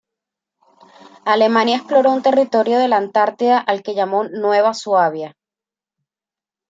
Alemania exploró un territorio de la Antártida al que llamó Nueva Suabia.